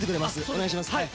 お願いします。